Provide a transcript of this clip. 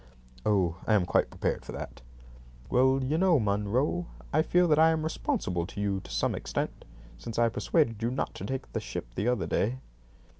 "Oh, I am quite prepared for that." "Well, you know, Munro, I feel that I am responsible to you to some extent, since I persuaded you not to take that ship the other day."